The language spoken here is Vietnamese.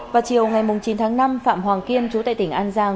vào chiều ngày chín tháng năm phạm hoàng kiên chú tại tỉnh an giang